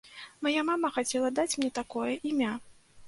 Мая мама хацела даць мне такое імя.